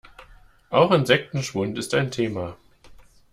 Auch Insektenschwund ist ein Thema.